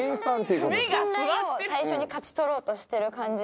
信頼を最初に勝ち取ろうとしてる感じが。